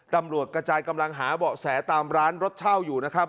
ตำรวจกระจายกำลังหาเบาะแสตามร้านรถเช่าอยู่นะครับ